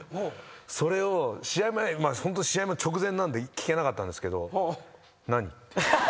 それをホント試合の直前なんで聞けなかったんですけど。